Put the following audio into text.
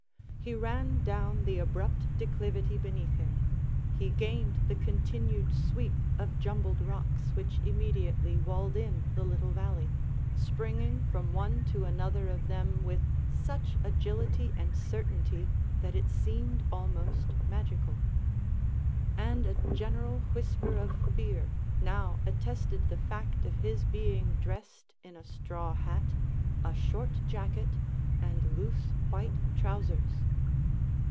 He ran down the abrupt declivity beneath him; he gained the continued sweep of jumbled rocks which immediately walled in the little valley, springing from one to another of them with such agility and certainty that it seemed almost magical; and a general whisper of fear now attested the fact of his being dressed in a straw hat, a short jacket, and loose white trousers.